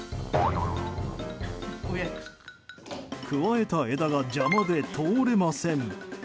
くわえた枝が邪魔で通れません。